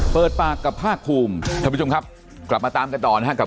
เปิดปากกับภาคภูมิท่านผู้ชมครับกลับมาตามกันต่อนะครับ